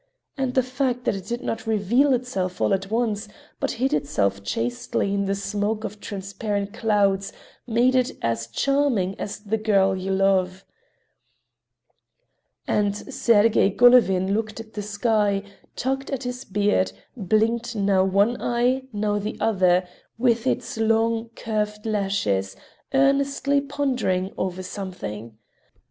And the fact that it did not reveal itself all at once, but hid itself chastely in the smoke of transparent clouds, made it as charming as the girl you love. And Sergey Golovin looked at the sky, tugged at his beard, blinked now one eye, now the other, with its long, curved lashes, earnestly pondering over something.